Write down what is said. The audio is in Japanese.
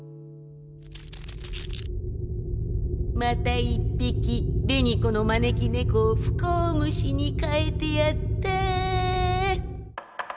また一匹紅子の招き猫を不幸虫に変えてやった。